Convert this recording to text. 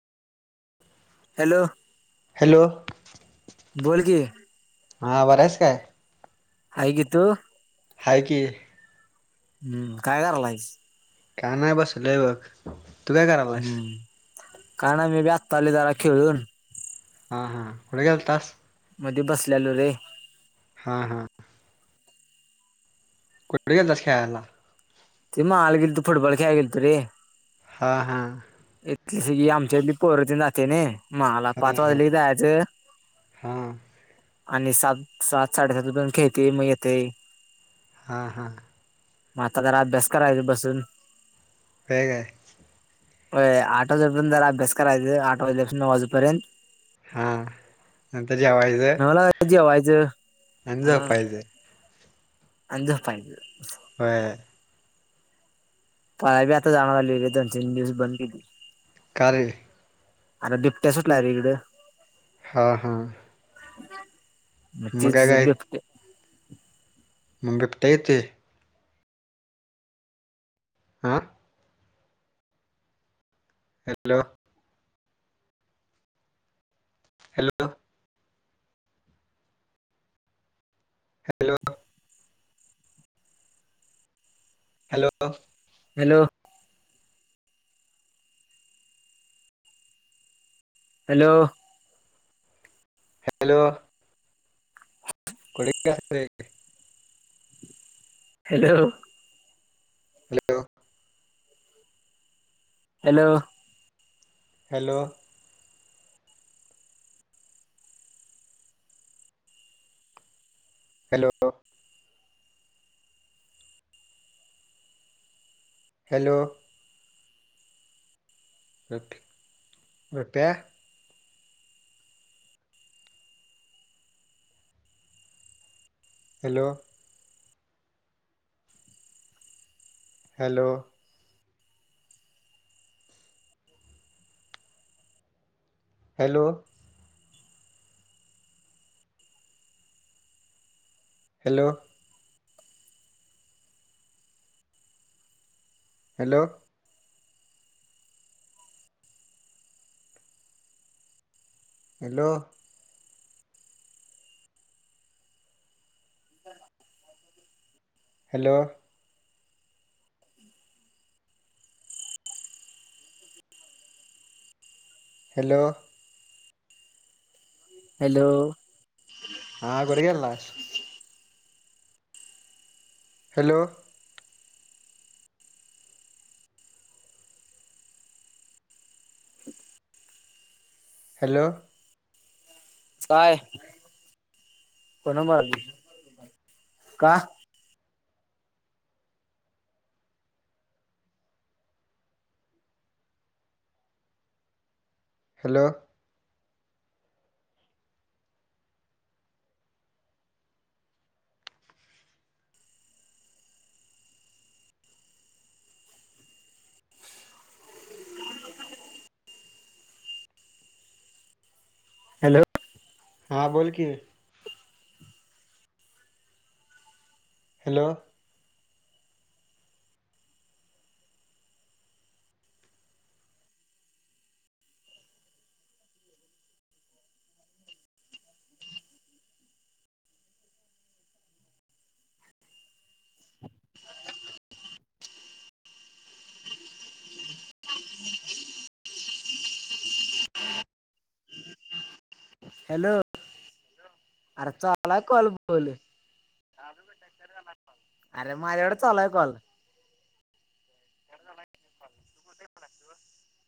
Hello hello बोल की. हा बरं आहेस काय? हाय की तू? हाय की. हम्म काय करायलास. का नाही बसलोय बघ. तू काय करायलायस हम्म काय नाही मी पण आता आलोय जरा खेळून. हा हां कुठे गेलतास. मध्ये बसल्यालो रे. हा हा. कुठे गेलतास खेळायला. [unintelligible] फुटबॉल खेळायला गेलतो रे. हां हां. इथली सगळी आमच्या इथली पोर तेनी जात नाही. मला हा पाच हा वाजेले की जायचं. हा आणि सात सात साडेसातण खेळते मग येतंय. हां हां. मी आता जर अभ्यास करायचा बसून. व का आहे. होय आट वाजेन जरा अभ्यास करायचं आट वाजल्यापासून नऊ वाजूपर्यंत. हा नंतर जेवायचं नऊला जेवायचं. आणि झोपायचं अन् झोपायच. व्हय. पाया बी आता जाणार आले आहे. दोन तीन दिवस बंद केलीत. का रे, अर बिबट्या सुटला रे इकडं. हां हां. म तीच काय बिबट्या मग बिबट्या येतोय. आ. Hello, hello, hello, hello hello, hello, hello, कुठे रे. Hello, hello, hello, hello, hello, hello, रप रुप्या? Hello, hello, hello, hello, hello, hello, hello, hello, hello, हा. कुठ गेलतास? हॅलो, हॅलो, काय? कोण बा? का? हॅलो, हॅलो, हां. बोल की? हॅलो, हॅलो, अर, चालू हाय कॉल बोल? अरे माझ्या कड चालू हाय कॉल.